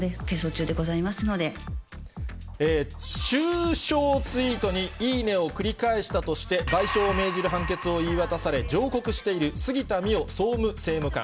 中傷ツイートにいいねを繰り返したとして、賠償を命じる判決を言い渡され、上告している杉田水脈総務政務官。